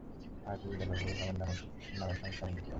আজও এই জেলার বহু গ্রামের নাম "অসুর"-দের নামের সঙ্গে যুক্ত।